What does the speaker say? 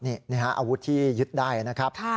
นี่ฮะอาวุธที่ยึดได้นะครับ